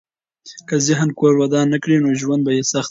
که هغه کور ودان نه کړي، نو ژوند به یې سخت وي.